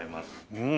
うん！